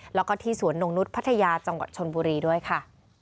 และที่สวนนกนุฏภัทยาจังหวัดชนบุรีด้วยค่ะ